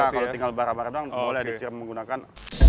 sudah kalau tinggal bara bara doang boleh disir menggunakan